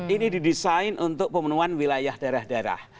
ini didesain untuk pemenuhan wilayah daerah daerah